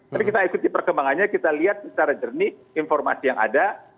tapi kita ikuti perkembangannya kita lihat secara jernih informasi yang ada